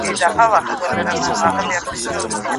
خپـله ګرانـه مړه